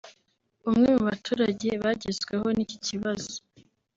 umwe mu baturage bagezweho n’ iki kibazo